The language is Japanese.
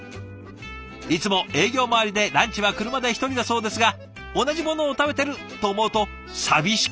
いつも営業回りでランチは車で１人だそうですが同じものを食べてると思うと寂しくないんだとか。